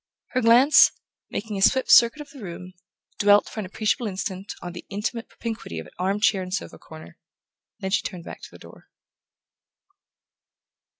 Her glance, making a swift circuit of the room, dwelt for an appreciable instant on the intimate propinquity of arm chair and sofa corner; then she turned back to the door.